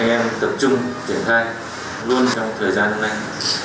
các em tập trung triển khai luôn trong thời gian hôm nay